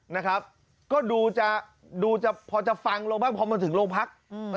นะครับก็พอจะฟังโรงพัก